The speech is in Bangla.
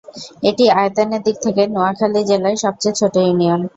এটি আয়তনের দিক থেকে নোয়াখালী জেলার সবচেয়ে ছোট ইউনিয়ন।